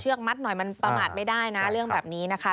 มัดหน่อยมันประมาทไม่ได้นะเรื่องแบบนี้นะคะ